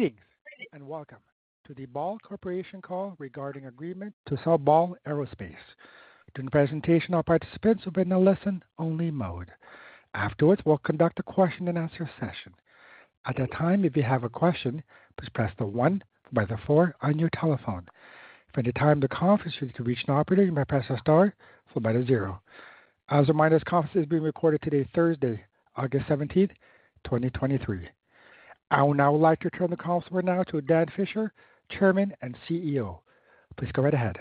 Greetings, welcome to the Ball Corporation call regarding agreement to sell Ball Aerospace. During the presentation, all participants will be in a listen-only mode. Afterwards, we'll conduct a question-and-answer session. At that time, if you have a question, please press the one followed by the four on your telephone. If at any time during the conference you need to reach an operator, you may press star followed by the zero. As a reminder, this conference is being recorded today, Thursday, August 17th, 2023. I would now like to turn the call over now to Dan Fisher, Chairman and CEO. Please go right ahead.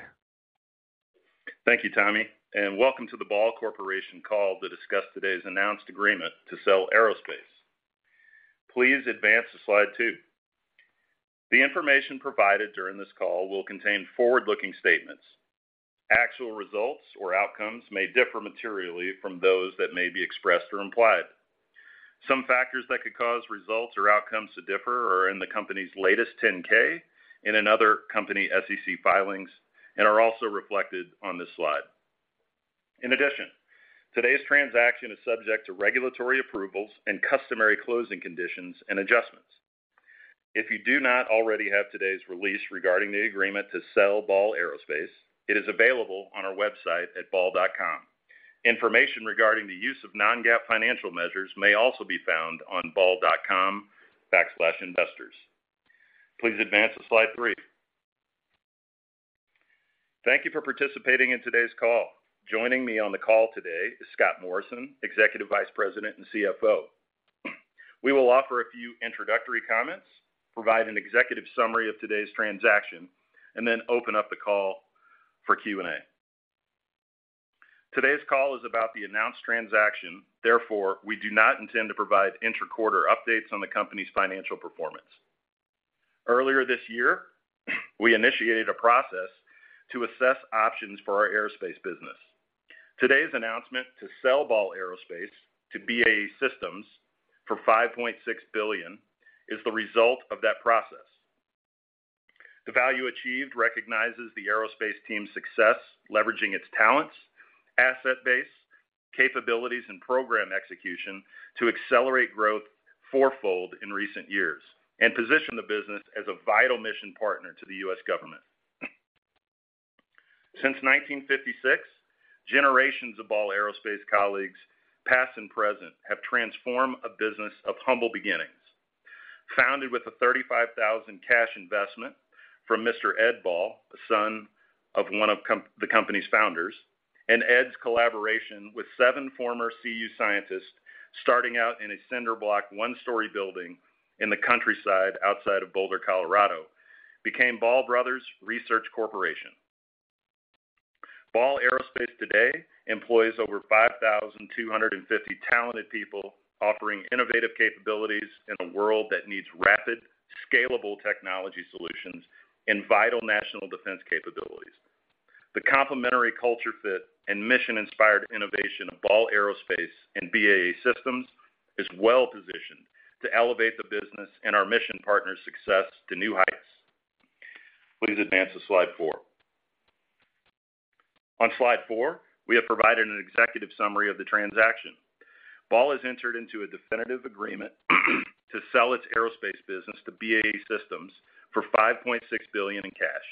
Thank you, Tommy, and welcome to the Ball Corporation call to discuss today's announced agreement to sell Aerospace. Please advance to slide 2. The information provided during this call will contain forward-looking statements. Actual results or outcomes may differ materially from those that may be expressed or implied. Some factors that could cause results or outcomes to differ are in the company's latest 10-K and in other company SEC filings, and are also reflected on this slide. In addition, today's transaction is subject to regulatory approvals and customary closing conditions and adjustments. If you do not already have today's release regarding the agreement to sell Ball Aerospace, it is available on our website at ball.com. Information regarding the use of non-GAAP financial measures may also be found on ball.com/investors. Please advance to slide 3. Thank you for participating in today's call. Joining me on the call today is Scott Morrison, Executive Vice President and CFO. We will offer a few introductory comments, provide an executive summary of today's transaction, then open up the call for Q&A. Today's call is about the announced transaction, therefore, we do not intend to provide interquarter updates on the company's financial performance. Earlier this year, we initiated a process to assess options for our aerospace business. Today's announcement to sell Ball Aerospace to BAE Systems for $5.6 billion is the result of that process. The value achieved recognizes the aerospace team's success, leveraging its talents, asset base, capabilities, and program execution to accelerate growth fourfold in recent years and position the business as a vital mission partner to the U.S. government. Since 1956, generations of Ball Aerospace colleagues, past and present, have transformed a business of humble beginnings. Founded with a $35,000 cash investment from Mr. Ed Ball, a son of one of the company's founders, and Ed's collaboration with seven former CU scientists, starting out in a cinder block, one-story building in the countryside outside of Boulder, Colorado, became Ball Brothers Research Corporation. Ball Aerospace today employs over 5,250 talented people, offering innovative capabilities in a world that needs rapid, scalable technology solutions and vital national defense capabilities. The complementary culture fit and mission-inspired innovation of Ball Aerospace and BAE Systems is well-positioned to elevate the business and our mission partners' success to new heights. Please advance to slide four. On slide four, we have provided an executive summary of the transaction. Ball has entered into a definitive agreement to sell its aerospace business to BAE Systems for $5.6 billion in cash.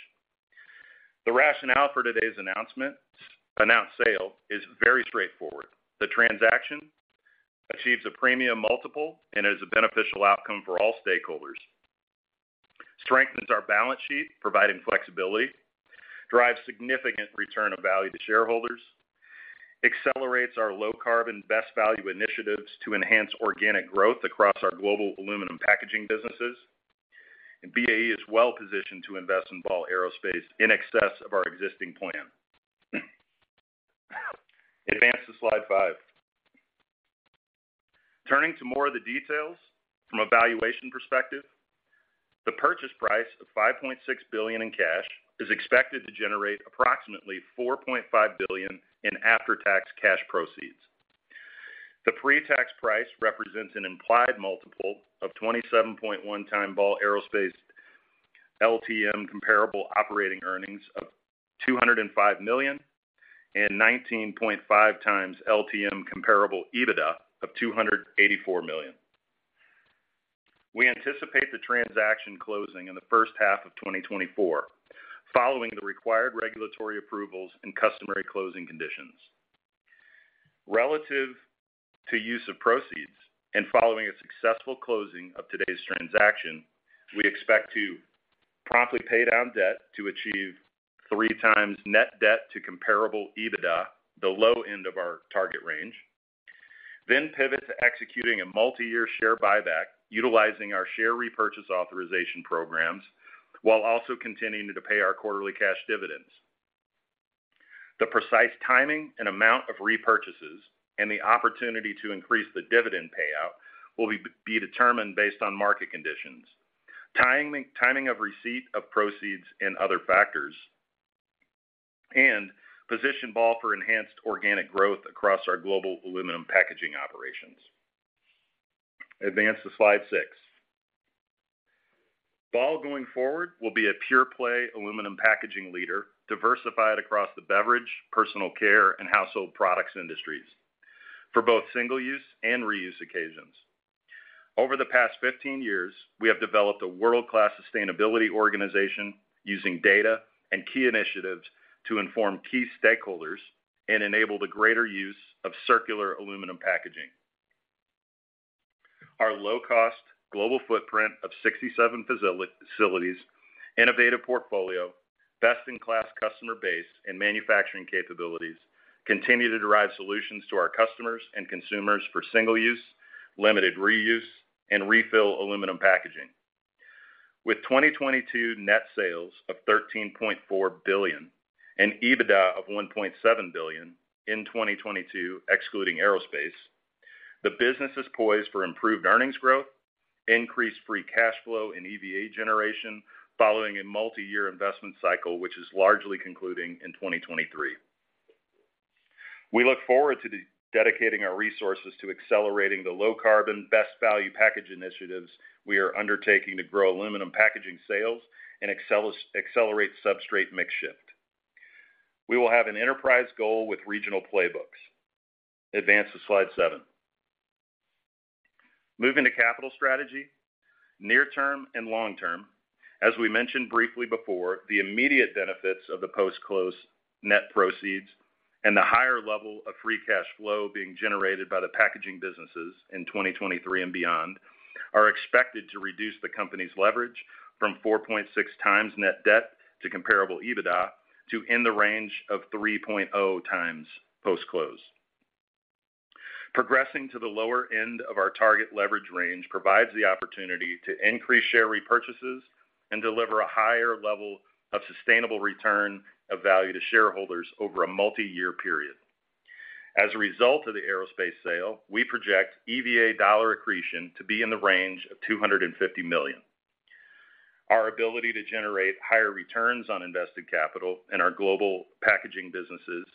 The rationale for today's announcement, announced sale is very straightforward. The transaction achieves a premium multiple and is a beneficial outcome for all stakeholders, strengthens our balance sheet, providing flexibility, drives significant return of value to shareholders, accelerates our low-carbon best value initiatives to enhance organic growth across our global aluminum packaging businesses, and BAE is well-positioned to invest in Ball Aerospace in excess of our existing plan. Advance to slide five. Turning to more of the details from a valuation perspective, the purchase price of $5.6 billion in cash is expected to generate approximately $4.5 billion in after-tax cash proceeds. The pre-tax price represents an implied multiple of 27.1x Ball Aerospace LTM comparable operating earnings of $205 million, and 19.5x LTM comparable EBITDA of $284 million. We anticipate the transaction closing in the first half of 2024, following the required regulatory approvals and customary closing conditions. Relative to use of proceeds and following a successful closing of today's transaction, we expect to promptly pay down debt to achieve 3x net debt to comparable EBITDA, the low end of our target range. Pivot to executing a multi-year share buyback, utilizing our share repurchase authorization programs, while also continuing to pay our quarterly cash dividends. The precise timing and amount of repurchases and the opportunity to increase the dividend payout will be determined based on market conditions, timing of receipt of proceeds and other factors, and position Ball for enhanced organic growth across our global aluminum packaging operations. Advance to slide 6. Ball going forward, will be a pure-play aluminum packaging leader, diversified across the beverage, personal care, and household products industries. For both single-use and reuse occasions. Over the past 15 years, we have developed a world-class sustainability organization using data and key initiatives to inform key stakeholders and enable the greater use of circular aluminum packaging. Our low-cost global footprint of 67 facilities, innovative portfolio, best-in-class customer base, and manufacturing capabilities, continue to derive solutions to our customers and consumers for single-use, limited reuse, and refill aluminum packaging. With 2022 net sales of $13.4 billion and EBITDA of $1.7 billion in 2022, excluding aerospace, the business is poised for improved earnings growth, increased free cash flow, and EVA generation, following a multiyear investment cycle, which is largely concluding in 2023. We look forward to dedicating our resources to accelerating the low carbon, best value package initiatives we are undertaking to grow aluminum packaging sales and accelerate substrate mix shift. We will have an enterprise goal with regional playbooks. Advance to slide 7. Moving to capital strategy, near term and long term. As we mentioned briefly before, the immediate benefits of the post-close net proceeds and the higher level of free cash flow being generated by the packaging businesses in 2023 and beyond, are expected to reduce the company's leverage from 4.6 times net debt to comparable EBITDA, to in the range of 3.0 times post-close. Progressing to the lower end of our target leverage range provides the opportunity to increase share repurchases and deliver a higher level of sustainable return of value to shareholders over a multiyear period. As a result of the aerospace sale, we project EVA dollar accretion to be in the range of $250 million. Our ability to generate higher returns on invested capital in our global packaging businesses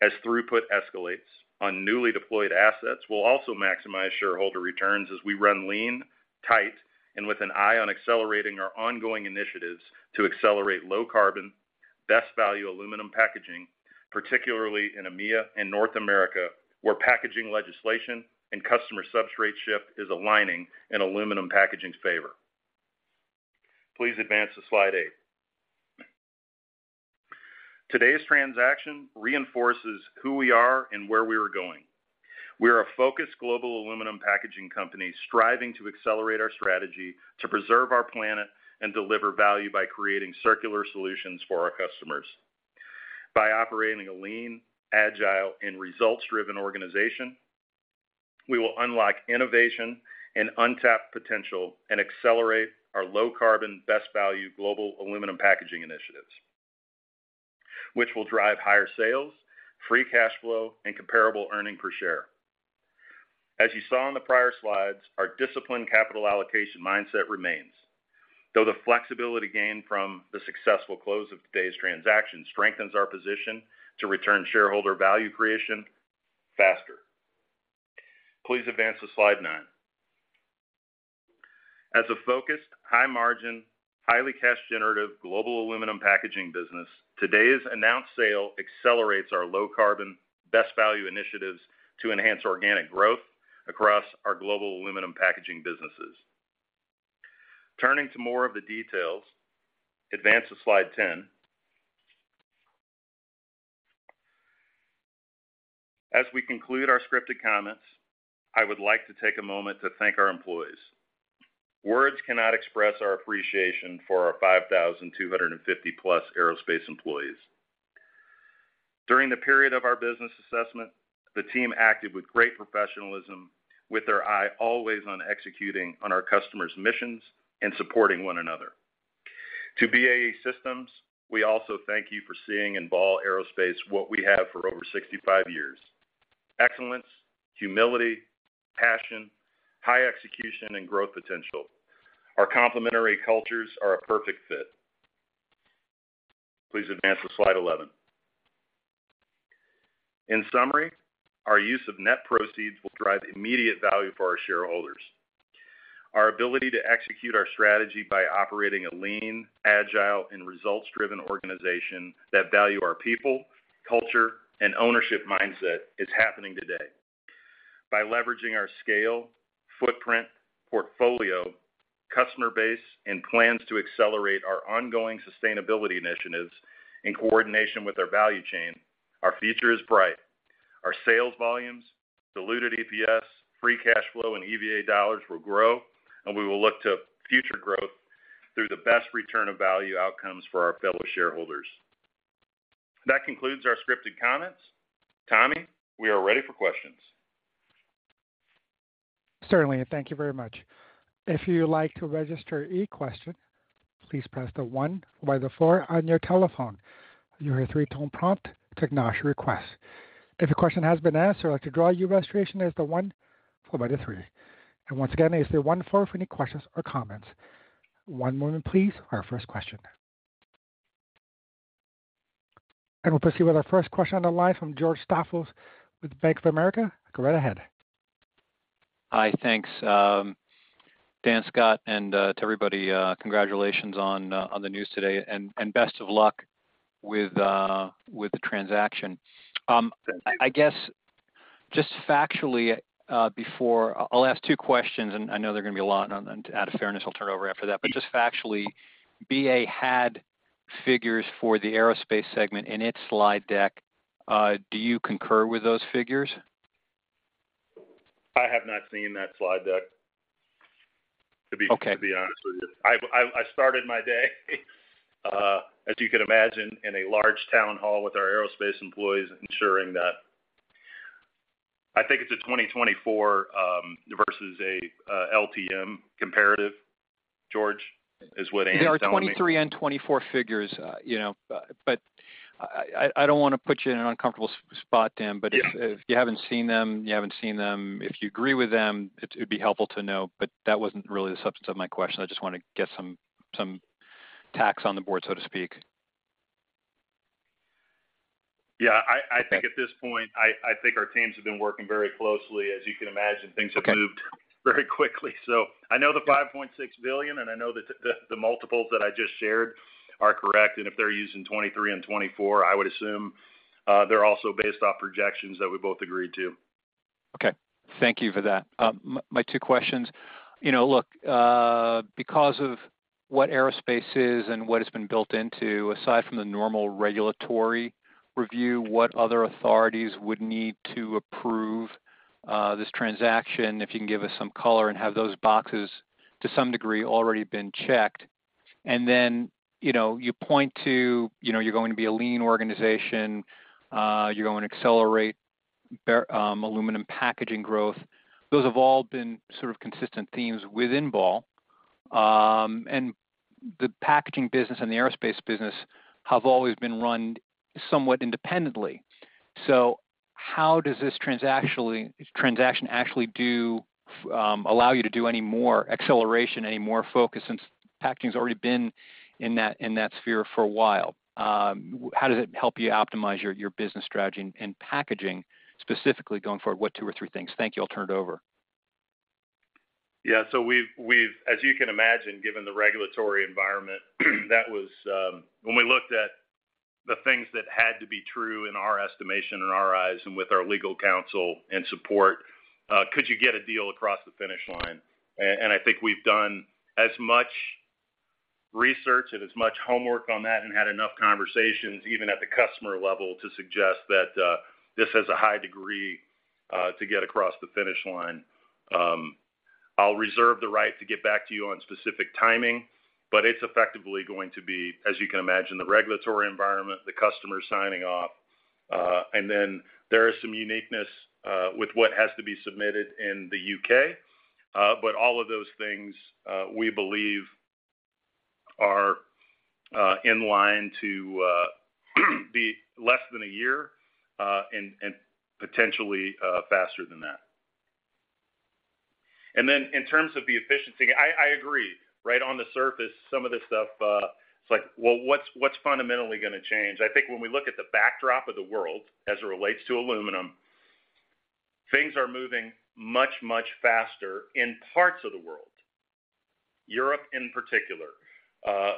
as throughput escalates on newly deployed assets, will also maximize shareholder returns as we run lean, tight, and with an eye on accelerating our ongoing initiatives to accelerate low carbon, best value aluminum packaging, particularly in EMEA and North America, where packaging legislation and customer substrate shift is aligning in aluminum packaging's favor. Please advance to slide eight. Today's transaction reinforces who we are and where we are going. We are a focused global aluminum packaging company, striving to accelerate our strategy, to preserve our planet and deliver value by creating circular solutions for our customers. By operating a lean, agile, and results-driven organization, we will unlock innovation and untapped potential and accelerate our low carbon, best value global aluminum packaging initiatives, which will drive higher sales, free cash flow, and comparable earning per share. As you saw in the prior slides, our disciplined capital allocation mindset remains, though the flexibility gained from the successful close of today's transaction strengthens our position to return shareholder value creation faster. Please advance to slide 9. As a focused, high margin, highly cash generative global aluminum packaging business, today's announced sale accelerates our low carbon, best value initiatives to enhance organic growth across our global aluminum packaging businesses. Turning to more of the details, advance to slide 10. As we conclude our scripted comments, I would like to take a moment to thank our employees. Words cannot express our appreciation for our 5,250+ Aerospace employees. During the period of our business assessment, the team acted with great professionalism, with their eye always on executing on our customers' missions and supporting one another. To BAE Systems, we also thank you for seeing in Ball Aerospace what we have for over 65 years: excellence, humility, passion, high execution, and growth potential. Our complementary cultures are a perfect fit. Please advance to slide 11. In summary, our use of net proceeds will drive immediate value for our shareholders. Our ability to execute our strategy by operating a lean, agile, and results-driven organization that value our people, culture, and ownership mindset is happening today. By leveraging our scale, footprint, portfolio, customer base, and plans to accelerate our ongoing sustainability initiatives in coordination with our value chain, our future is bright. Our sales volumes, diluted EPS, free cash flow, and EVA dollars will grow, and we will look to future growth through the best return of value outcomes for our fellow shareholders. That concludes our scripted comments. Tommy, we are ready for questions. Certainly, thank you very much. If you'd like to register a question, please press the one by the four on your telephone. You'll hear a three-tone prompt to acknowledge your request. If a question has been asked or you'd like to withdraw your registration, there's the one followed by the three. Once again, it's the one, four for any questions or comments. One moment, please, for our first question. We'll proceed with our first question on the line from George Staphos with Bank of America. Go right ahead.... Hi, thanks. Dan, Scott, and to everybody, congratulations on the news today, and best of luck with the transaction. I guess just factually, before... I'll ask two questions, and I know they're gonna be a lot, and out of fairness, I'll turn it over after that. Just factually, BAE had figures for the aerospace segment in its slide deck. Do you concur with those figures? I have not seen that slide deck, to be- Okay... to be honest with you. I've, I, I started my day, as you can imagine, in a large town hall with our aerospace employees, ensuring that I think it's a 2024, versus a, LTM comparative, George, is what Anne telling me. There are 2023 and 2024 figures, you know, but I, I, I don't wanna put you in an uncomfortable spot, Dan. Yeah. If, if you haven't seen them, you haven't seen them. If you agree with them, it'd, it'd be helpful to know, but that wasn't really the substance of my question. I just want to get some, some tax on the board, so to speak. Yeah. I, I think at this point, I, I think our teams have been working very closely. As you can imagine, things have- Okay... moved very quickly. I know the $5.6 billion, and I know that the, the multiples that I just shared are correct, and if they're using 2023 and 2024, I would assume, they're also based off projections that we both agreed to. Okay. Thank you for that. My two questions: You know, look, because of what aerospace is and what has been built into, aside from the normal regulatory review, what other authorities would need to approve this transaction? If you can give us some color and have those boxes, to some degree, already been checked. Then, you know, you point to, you know, you're going to be a lean organization, you're going to accelerate Ball aluminum packaging growth. Those have all been sort of consistent themes within Ball. And the packaging business and the aerospace business have always been run somewhat independently. How does this transaction actually do allow you to do any more acceleration, any more focus, since packaging's already been in that, in that sphere for a while? How does it help you optimize your business strategy and packaging, specifically going forward? What two or three things? Thank you. I'll turn it over. Yeah. We've, we've, as you can imagine, given the regulatory environment, that was. When we looked at the things that had to be true in our estimation and our eyes and with our legal counsel and support, could you get a deal across the finish line? I think we've done as much research and as much homework on that and had enough conversations, even at the customer level, to suggest that this has a high degree to get across the finish line. I'll reserve the right to get back to you on specific timing. It's effectively going to be, as you can imagine, the regulatory environment, the customer signing off, and then there is some uniqueness with what has to be submitted in the U.K. All of those things, we believe are in line to be less than 1 year, and potentially faster than that. Then in terms of the efficiency, I agree. Right on the surface, some of this stuff, it's like, well, what's, what's fundamentally gonna change? I think when we look at the backdrop of the world as it relates to aluminum, things are moving much, much faster in parts of the world, Europe in particular.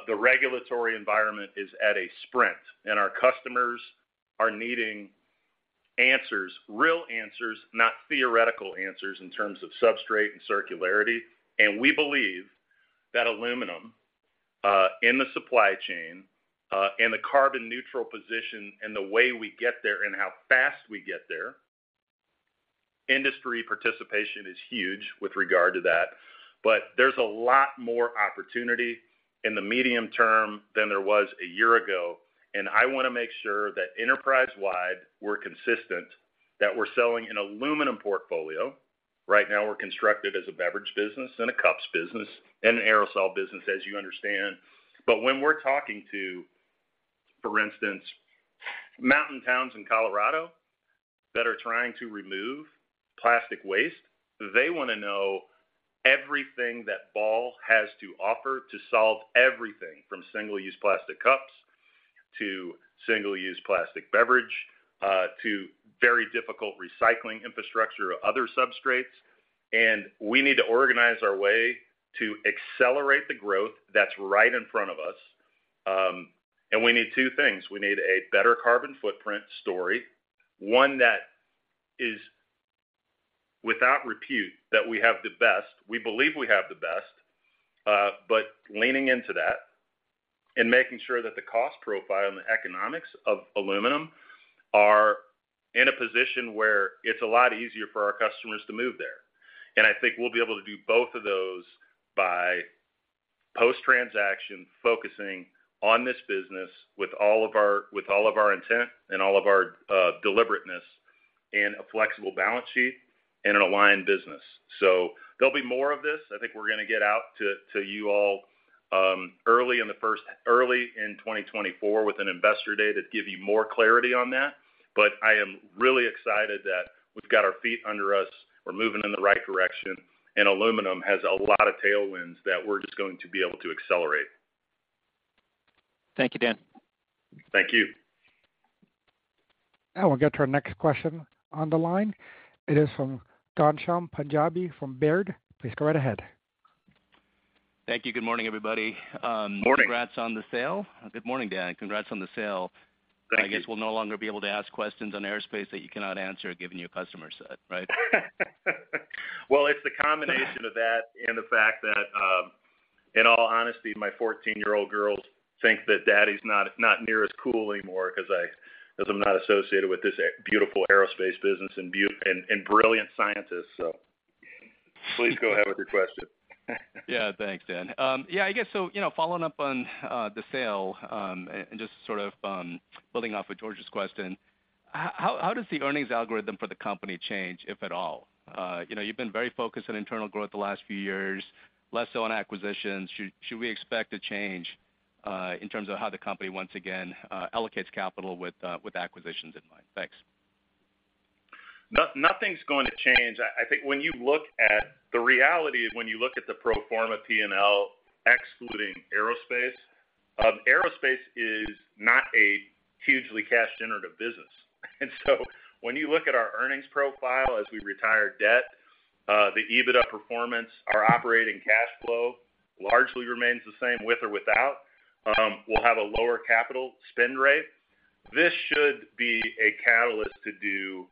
The regulatory environment is at a sprint, and our customers are needing answers, real answers, not theoretical answers, in terms of substrate and circularity. We believe that aluminum in the supply chain, and the carbon neutral position, and the way we get there and how fast we get there, industry participation is huge with regard to that. There's a lot more opportunity in the medium term than there was a year ago, and I wanna make sure that enterprise-wide, we're consistent, that we're selling an aluminum portfolio. Right now, we're constructed as a beverage business and a cups business and an aerosol business, as you understand. When we're talking to, for instance, mountain towns in Colorado that are trying to remove plastic waste, they wanna know everything that Ball has to offer to solve everything from single-use plastic cups, to single-use plastic beverage, to very difficult recycling infrastructure or other substrates. We need to organize our way to accelerate the growth that's right in front of us. We need two things: We need a better carbon footprint story, one that is without repute, that we have the best. We believe we have the best, but leaning into that and making sure that the cost profile and the economics of aluminum are in a position where it's a lot easier for our customers to move there. I think we'll be able to do both of those by post-transaction, focusing on this business with all of our, with all of our intent and all of our deliberateness, and a flexible balance sheet and an aligned business. There'll be more of this. I think we're gonna get out to, to you all, early in 2024 with an investor day to give you more clarity on that. I am really excited that we've got our feet under us, we're moving in the right direction, and aluminum has a lot of tailwinds that we're just going to be able to accelerate. Thank you, Dan. Thank you. Now we'll get to our next question on the line. It is from Ghansham Panjabi from Baird. Please go right ahead. Thank you. Good morning, everybody. Morning. Congrats on the sale. Good morning, Dan, and congrats on the sale. Thank you. I guess we'll no longer be able to ask questions on aerospace that you cannot answer, given your customer set, right? It's the combination of that and the fact that, in all honesty, my 14-year-old girls think that daddy's not, not near as cool anymore 'cause I'm not associated with this beautiful aerospace business and brilliant scientists. Please go ahead with your question. Yeah, thanks, Dan. Yeah, I guess so, you know, following up on the sale, and just sort of, building off of George's question, how, how does the earnings algorithm for the company change, if at all? You know, you've been very focused on internal growth the last few years, less so on acquisitions. Should, should we expect a change in terms of how the company once again allocates capital with acquisitions in mind? Thanks. Nothing's going to change. I think when you look at the reality, when you look at the pro forma P&L, excluding aerospace, aerospace is not a hugely cash generative business. So when you look at our earnings profile as we retire debt, the EBITDA performance, our operating cash flow largely remains the same with or without. We'll have a lower capital spend rate. This should be a catalyst to do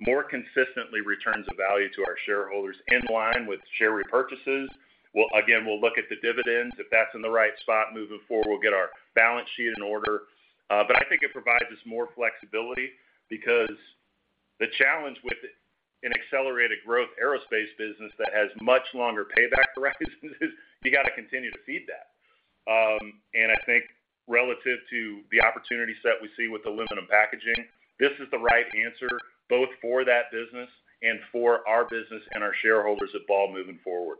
more consistently returns of value to our shareholders in line with share repurchases. Again, we'll look at the dividends. If that's in the right spot moving forward, we'll get our balance sheet in order. I think it provides us more flexibility because the challenge with an accelerated growth aerospace business that has much longer payback horizons is you got to continue to feed that. I think relative to the opportunity set we see with aluminum packaging, this is the right answer, both for that business and for our business and our shareholders at Ball moving forward.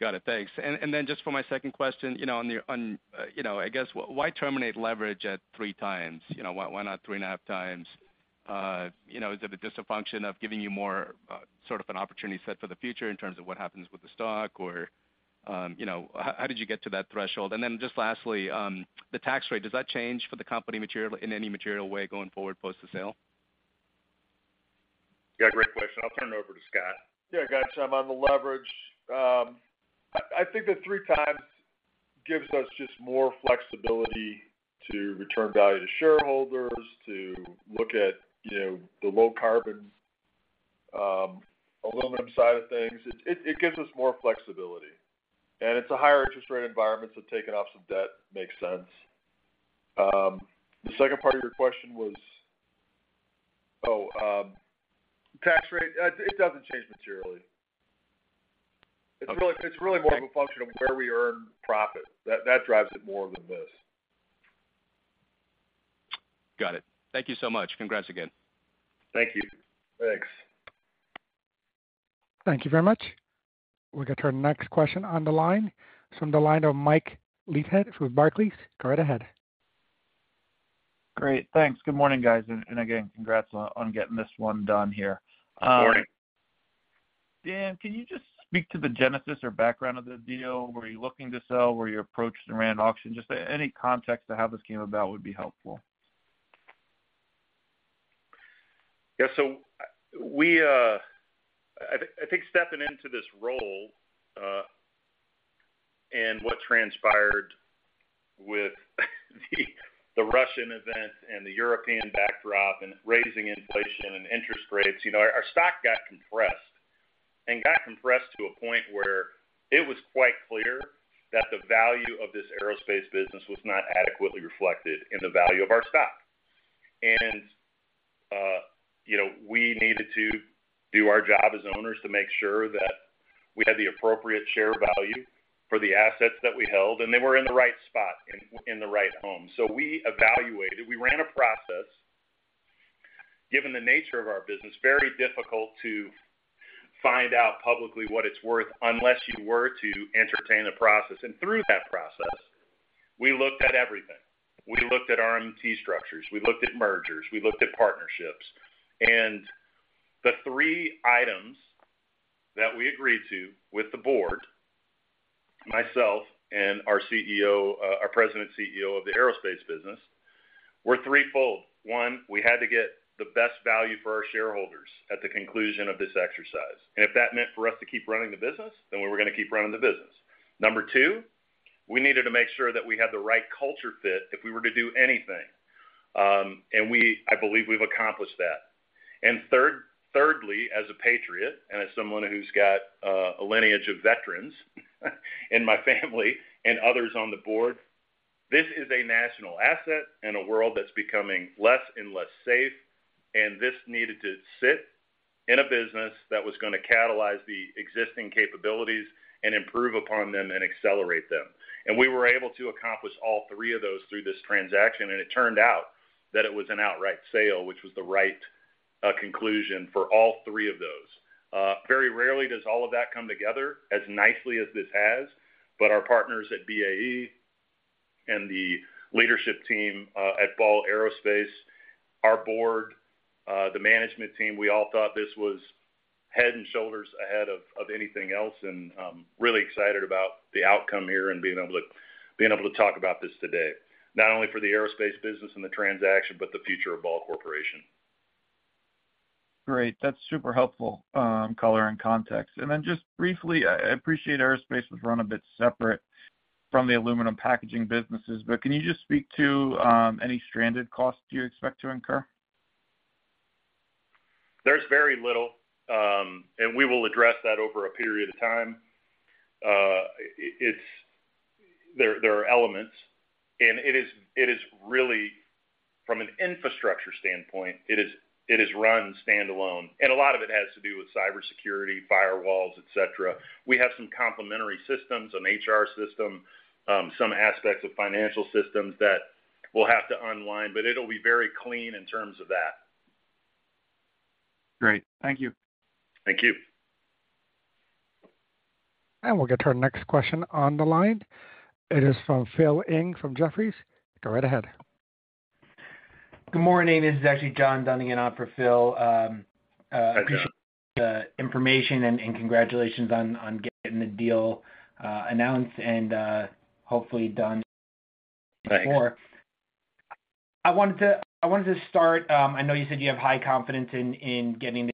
Got it. Thanks. Then just for my second question, you know, on the, on-- you know, I guess, w-why terminate leverage at 3 times? You know, why, why not 3.5 times? You know, is it just a function of giving you more, sort of an opportunity set for the future in terms of what happens with the stock? Or, you know, how, how did you get to that threshold? Then just lastly, the tax rate, does that change for the company materially, in any material way going forward post the sale? Yeah, great question. I'll turn it over to Scott. Yeah, Ghansham, on the leverage, I think that 3 times gives us just more flexibility to return value to shareholders, to look at, you know, the low carbon aluminum side of things. It gives us more flexibility, and it's a higher interest rate environment, so taking off some debt makes sense. The second part of your question was? Tax rate. It doesn't change materially. Okay. It's really, it's really more of a function of where we earn profit. That, that drives it more than this. Got it. Thank you so much. Congrats again. Thank you. Thanks. Thank you very much. We'll get to our next question on the line. It's from the line of Michael Leithead with Barclays. Go right ahead. Great. Thanks. Good morning, guys. Again, congrats on getting this one done here. Good morning. Dan, can you just speak to the genesis or background of the deal? Were you looking to sell? Were you approached and ran an auction? Just any context to how this came about would be helpful. Yeah, so, we, I think stepping into this role, and what transpired with the Russian event and the European backdrop, and raising inflation and interest rates, you know, our stock got compressed. Got compressed to a point where it was quite clear that the value of this aerospace business was not adequately reflected in the value of our stock. You know, we needed to do our job as owners to make sure that we had the appropriate share value for the assets that we held, and they were in the right spot, in, in the right home. We evaluated, we ran a process. Given the nature of our business, very difficult to find out publicly what it's worth, unless you were to entertain a process. Through that process, we looked at everything. We looked at RMT structures, we looked at mergers, we looked at partnerships. The 3 items that we agreed to with the board, myself and our CEO, our President CEO of the aerospace business, were threefold. 1, we had to get the best value for our shareholders at the conclusion of this exercise. If that meant for us to keep running the business, then we were going to keep running the business. 2, we needed to make sure that we had the right culture fit if we were to do anything, and we-- I believe we've accomplished that. Third, thirdly, as a patriot and as someone who's got a lineage of veterans in my family and others on the board, this is a national asset in a world that's becoming less and less safe, and this needed to sit in a business that was gonna catalyze the existing capabilities and improve upon them and accelerate them. We were able to accomplish all three of those through this transaction, and it turned out that it was an outright sale, which was the right conclusion for all three of those. Very rarely does all of that come together as nicely as this has, but our partners at BAE and the leadership team at Ball Aerospace. Our board, the management team, we all thought this was head and shoulders ahead of, of anything else. Really excited about the outcome here and being able to, being able to talk about this today, not only for the aerospace business and the transaction, but the future of Ball Corporation. Great. That's super helpful, color and context. Then just briefly, I, I appreciate Ball Aerospace was run a bit separate from the aluminum packaging businesses, but can you just speak to any stranded costs you expect to incur? There's very little, and we will address that over a period of time. There are elements, and it is, it is really, from an infrastructure standpoint, it is, it is run standalone, and a lot of it has to do with cybersecurity, firewalls, et cetera. We have some complementary systems, an HR system, some aspects of financial systems that we'll have to online, but it'll be very clean in terms of that. Great. Thank you. Thank you. We'll get to our next question on the line. It is from Phil Ng from Jefferies. Go right ahead. Good morning, this is actually John Dunigan in for Phil. Hi, John. appreciate the information, and, and congratulations on, on getting the deal, announced and, hopefully, done before. Thanks. I wanted to, I wanted to start, I know you said you have high confidence in, in getting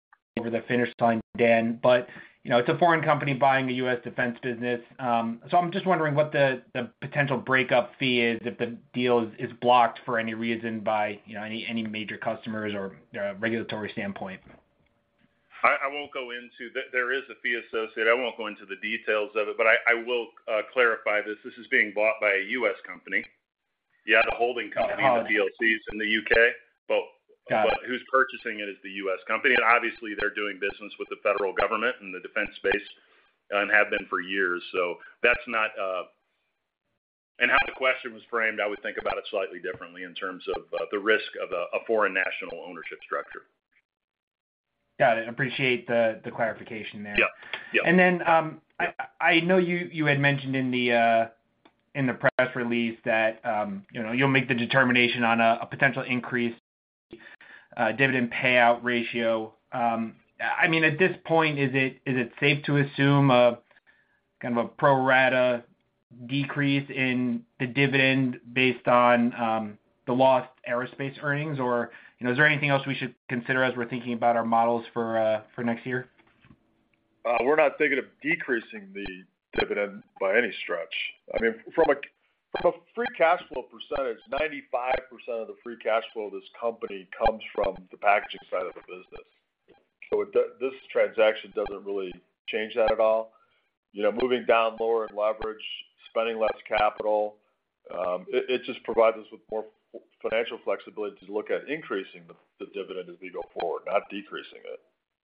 over the finish line, Dan, but, you know, it's a foreign company buying a U.S. defense business. I'm just wondering what the, the potential breakup fee is if the deal is, is blocked for any reason by, you know, any, any major customers or regulatory standpoint? I, I won't go into... there is a fee associated. I won't go into the details of it, but I, I will clarify this. This is being bought by a U.S. company. Yeah, the holding company, the PLCs in the U.K., but. Got it. Who's purchasing it is the U.S. company, and obviously they're doing business with the federal government and the defense space, and have been for years. That's not. How the question was framed, I would think about it slightly differently in terms of the risk of a foreign national ownership structure. Got it. Appreciate the, the clarification there. Yep. Yep. I, I know you, you had mentioned in the in the press release that, you know, you'll make the determination on a potential increase, dividend payout ratio. I mean, at this point, is it, is it safe to assume a kind of a pro rata decrease in the dividend based on the lost aerospace earnings? You know, is there anything else we should consider as we're thinking about our models for next year? We're not thinking of decreasing the dividend by any stretch. I mean, from a free cash flow percentage, 95% of the free cash flow of this company comes from the packaging side of the business. It this transaction doesn't really change that at all. You know, moving down lower in leverage, spending less capital, it just provides us with more financial flexibility to look at increasing the, the dividend as we go forward, not decreasing it.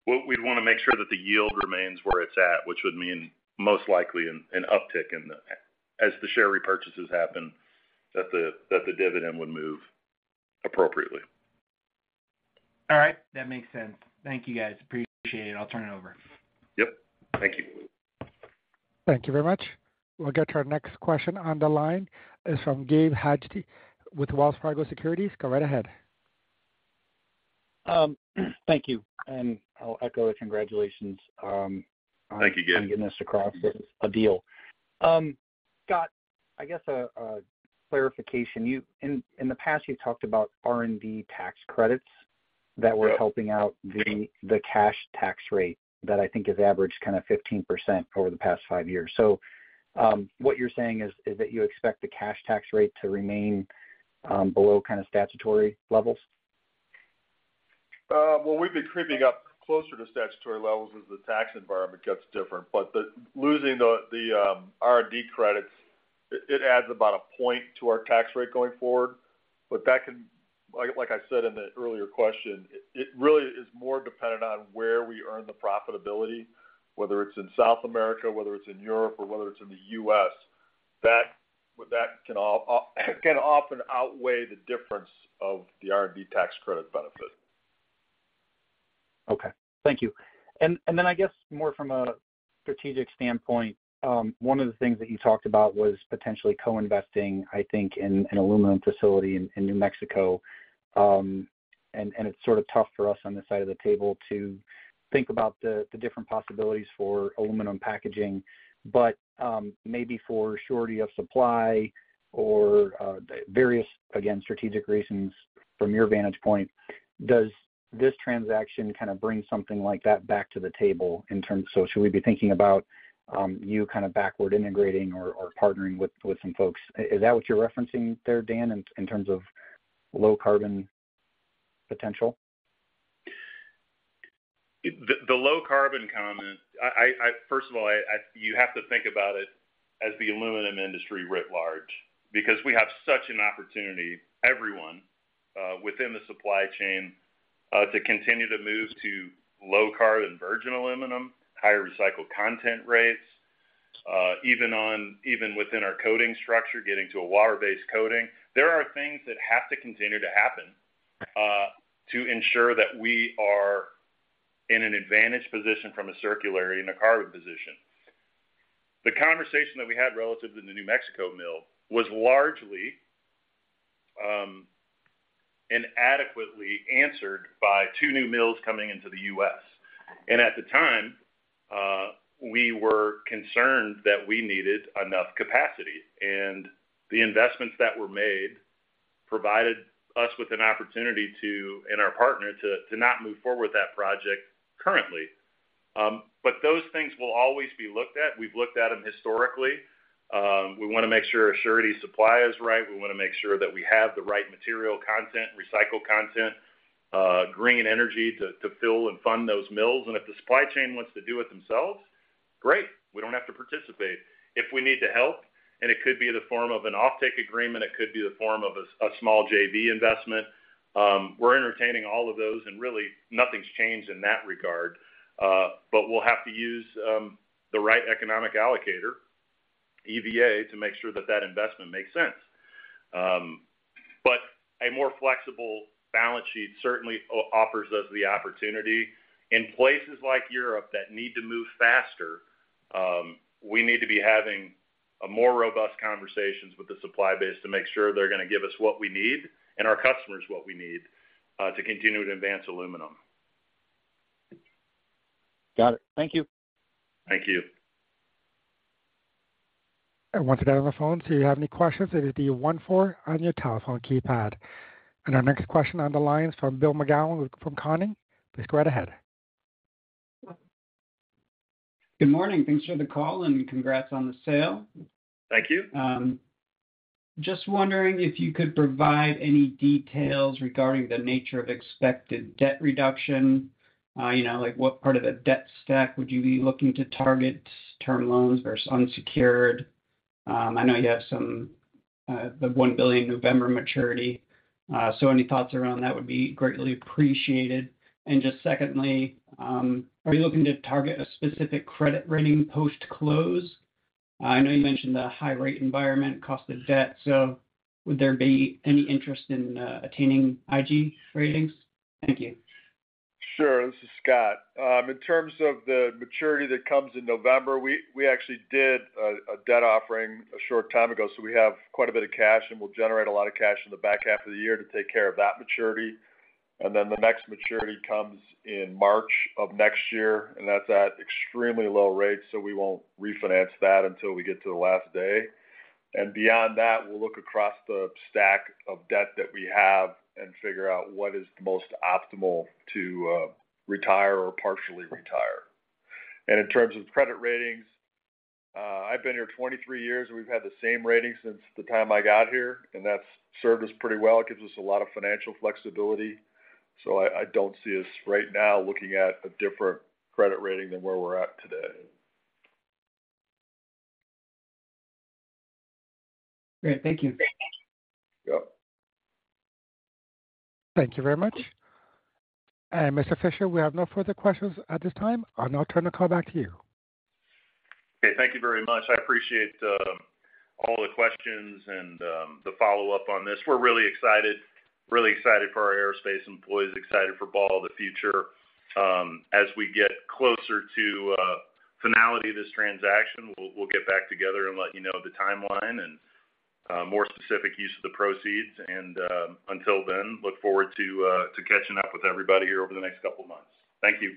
Well, we'd want to make sure that the yield remains where it's at, which would mean most likely an uptick in the... As the share repurchases happen, that the dividend would move appropriately. All right, that makes sense. Thank you, guys. Appreciate it. I'll turn it over. Yep, thank you. Thank you very much. We'll get to our next question on the line. It's from Gabe Hajde with Wells Fargo Securities. Go right ahead. Thank you, and I'll echo the congratulations, Thank you, Gabe. on getting this across as a deal. Scott, I guess clarification. In the past, you talked about R&D tax credits... Yep that were helping out the, the cash tax rate, that I think has averaged kind of 15% over the past five years. What you're saying is, is that you expect the cash tax rate to remain, below kind of statutory levels? Well, we've been creeping up closer to statutory levels as the tax environment gets different. The losing the, the R&D credits, it, it adds about a point to our tax rate going forward. That can, like I said in the earlier question, it, it really is more dependent on where we earn the profitability, whether it's in South America, whether it's in Europe, or whether it's in the U.S. That, that can all can often outweigh the difference of the R&D tax credit benefit. Okay. Thank you. Then I guess more from a strategic standpoint, one of the things that you talked about was potentially co-investing, I think, in an aluminum facility in New Mexico. It's sort of tough for us on this side of the table to think about the different possibilities for aluminum packaging. Maybe for surety of supply or various, again, strategic reasons from your vantage point, does this transaction kind of bring something like that back to the table in terms... Should we be thinking about you kind of backward integrating or partnering with some folks? Is that what you're referencing there, Dan, in terms of low carbon potential? The low carbon comment, I, first of all, I, you have to think about it as the aluminum industry writ large. Because we have such an opportunity, everyone, within the supply chain, to continue to move to low carbon virgin aluminum, higher recycled content rates, even within our coating structure, getting to a water-based coating. There are things that have to continue to happen, to ensure that we are in an advantaged position from a circularity and a carbon position. The conversation that we had relative to the New Mexico mill was largely, inadequately answered by two new mills coming into the US. At the time, we were concerned that we needed enough capacity, and the investments that were made provided us with an opportunity to, and our partner, to, to not move forward with that project currently. Those things will always be looked at. We've looked at them historically. We want to make sure surety supply is right. We want to make sure that we have the right material content, recycled content, green energy, to, to fill and fund those mills. If the supply chain wants to do it themselves, great! We don't have to participate. If we need to help, and it could be in the form of an offtake agreement, it could be the form of a small JV investment, we're entertaining all of those, and really nothing's changed in that regard. We'll have to use the right economic allocator, EVA, to make sure that that investment makes sense. A more flexible balance sheet certainly offers us the opportunity. In places like Europe that need to move faster, we need to be having a more robust conversations with the supply base to make sure they're going to give us what we need and our customers what we need, to continue to advance aluminum. Got it. Thank you. Thank you. Once again, on the phone, so you have any questions, it would be 1-4 on your telephone keypad. Our next question on the line is from Bill McGowan with, from Conning. Please go right ahead. Good morning. Thanks for the call, and congrats on the sale. Thank you. Just wondering if you could provide any details regarding the nature of expected debt reduction. You know, like, what part of the debt stack would you be looking to target, term loans versus unsecured? I know you have some, the $1 billion November maturity, so any thoughts around that would be greatly appreciated. Just secondly, are you looking to target a specific credit rating post-close? I know you mentioned the high rate environment, cost of debt, so would there be any interest in attaining IG ratings? Thank you. Sure. This is Scott. In terms of the maturity that comes in November, we, we actually did a, a debt offering a short time ago, so we have quite a bit of cash, and we'll generate a lot of cash in the back half of the year to take care of that maturity. The next maturity comes in March of next year, and that's at extremely low rates, so we won't refinance that until we get to the last day. Beyond that, we'll look across the stack of debt that we have and figure out what is the most optimal to retire or partially retire. In terms of credit ratings, I've been here 23 years, and we've had the same rating since the time I got here, and that's served us pretty well. It gives us a lot of financial flexibility. I, I don't see us right now looking at a different credit rating than where we're at today. Great. Thank you. Yep. Thank you very much. Mr. Fisher, we have no further questions at this time. I'll now turn the call back to you. Okay. Thank you very much. I appreciate all the questions and the follow-up on this. We're really excited, really excited for our Aerospace employees, excited for Ball of the future. As we get closer to finality of this transaction, we'll get back together and let you know the timeline and more specific use of the proceeds. Until then, look forward to catching up with everybody here over the next couple of months. Thank you.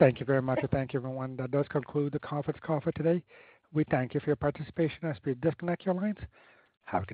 Thank you very much, and thank you, everyone. That does conclude the conference call for today. We thank you for your participation. As we disconnect your lines, have a good day.